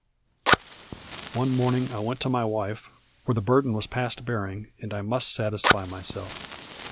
One morning I went to my wife; for the burden was past bearing, and I must satisfy myself.